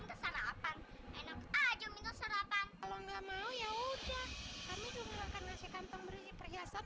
enak aja minum sarapan kalau nggak mau ya udah kami juga akan nasi kantong berhiasan